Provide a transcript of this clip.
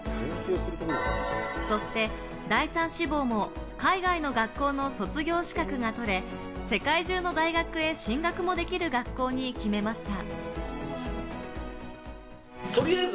そして第３志望も海外の学校の卒業資格が取れ、世界中の大学へ進学もできる学校に決めました。